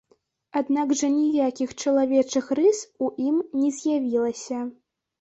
Аднак жа ніякіх чалавечых рыс у ім не з'явілася.